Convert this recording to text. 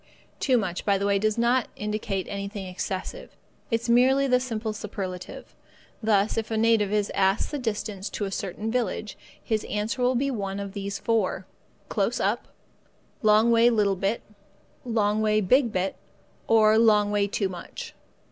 Too much, by the way, does not indicate anything excessive. It is merely the simple superlative. Thus, if a native is asked the distance to a certain village, his answer will be one of these four: "Close up"; "long way little bit"; "long way big bit"; or "long way too much."